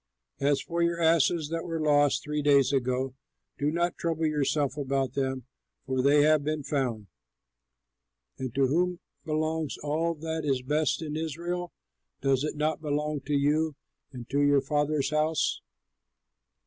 As for your asses that were lost three days ago, do not trouble yourself about them for they have been found. And to whom belongs all that is best in Israel? Does it not belong to you and to your father's house?"